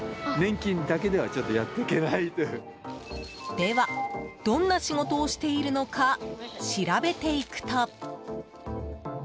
では、どんな仕事をしているのか調べていくと。